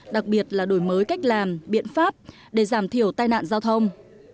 đặc biệt là đổi mới cách làm biện pháp để giảm thiểu tai nạn giao thông